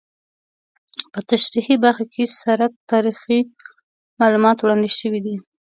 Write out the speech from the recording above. په تشریحي برخه کې د سرک تاریخي معلومات وړاندې شوي دي